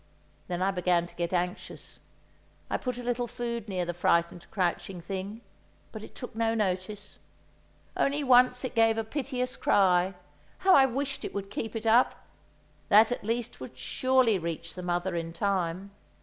Then I began to get anxious. I put a little food near the frightened crouching thing, but it took no notice. Only once it gave a piteous cry; how I wished it would keep it up! That at least would surely reach the mother in time.